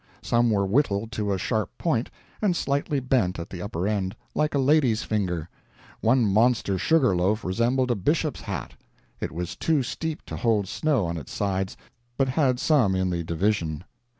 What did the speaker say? Some were whittled to a sharp point, and slightly bent at the upper end, like a lady's finger; one monster sugar loaf resembled a bishop's hat; it was too steep to hold snow on its sides, but had some in the division.